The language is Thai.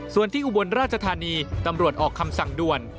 ส่วนที่อุบลราชธานีตำรวจออกคำสั่งด่วน